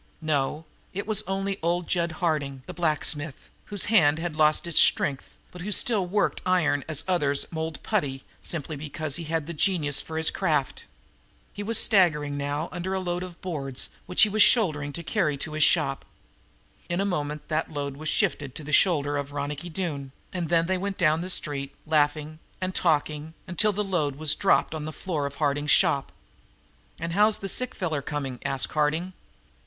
No, it was only old Jud Harding, the blacksmith, whose hand had lost its strength, but who still worked iron as others mold putty, simply because he had the genius for his craft. He was staggering now under a load of boards which he had shouldered to carry to his shop. In a moment that load was shifted to the shoulder of Ronicky Doone, and they went on down the street, laughing and talking together until the load was dropped on the floor of Harding's shop. "And how's the sick feller coming?" asked Harding.